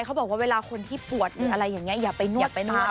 เขาบอกว่าเวลาคนที่ปวดหรืออะไรอย่างนี้อย่าไปหนวดไปนอน